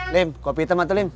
lim kopi hitam atau lim